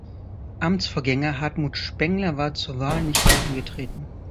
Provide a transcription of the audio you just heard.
Amtsvorgänger Hartmut Spengler war zur Wahl nicht mehr angetreten.